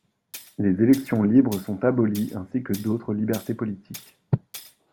Les élections libres sont abolies ainsi que d'autres libertés politiques.